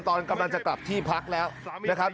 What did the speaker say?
ตอนกำลังจะกลับที่พักแล้วนะครับ